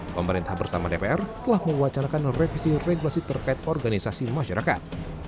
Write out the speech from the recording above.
pemerintah bersama dpr telah mewacanakan revisi regulasi terkait organisasi masyarakat